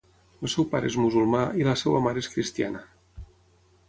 El seu pare és musulmà i la seva mare és cristiana.